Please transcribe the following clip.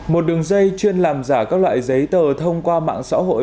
một đường dây chuyên làm giả các loại giấy tờ thông qua mạng xã hội